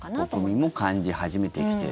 国民も感じ始めてきている。